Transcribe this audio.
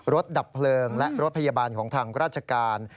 ดับเพลิงและรถพยาบาลของทางราชการ